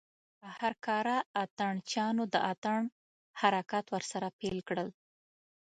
هر کاره اتڼ چيانو د اتڼ حرکات ورسره پيل کړل.